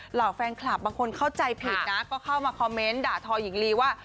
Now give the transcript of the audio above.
เหล่าแฟนคลับบางคนเข้าใจผิดนะก็เข้ามาคอมเมนต์ด่าทอหญิงลีว่า